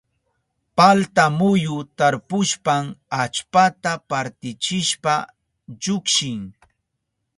Palta muyu tarpushpan allpata partichishpa llukshin.